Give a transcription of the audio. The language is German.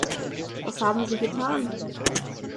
Was haben Sie getan?